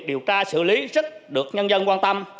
điều tra xử lý rất được nhân dân quan tâm